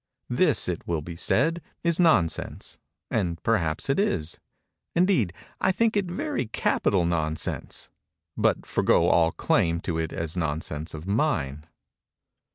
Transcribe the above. This, it will be said, is nonsense; and perhaps it is:—indeed I think it very capital nonsense—but forego all claim to it as nonsense of mine.